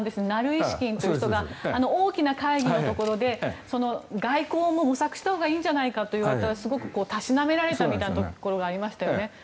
ナルイシキンという人が大きな会議のところで外交も模索したほうがいいんじゃないかと言ったらすごくたしなめられたみたいなところがありましたよね。